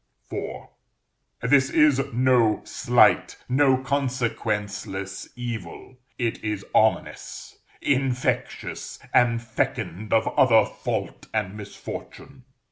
IV. This is no slight, no consequenceless evil: it is ominous, infectious, and fecund of other fault and misfortune.